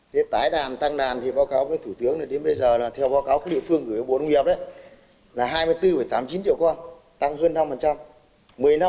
thế tái đàn tăng đàn thì báo cáo với thủ tướng là đến bây giờ là theo báo cáo của địa phương gửi bộ nông nghiệp là hai mươi bốn tám mươi chín triệu con tăng hơn năm